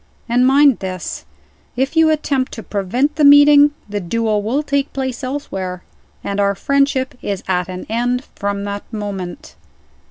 And mind this, if you attempt to prevent the meeting, the duel will take place elsewhere and our friendship is at an end from that moment."